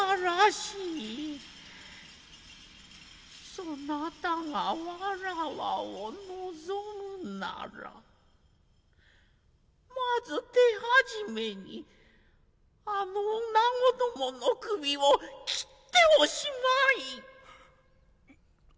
そなたがわらわを望むならまず手始めにあの女子どもの首を切っておしまい。